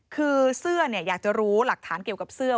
คือเสื้ออยากจะรู้หลักฐานเกี่ยวกับเสื้อ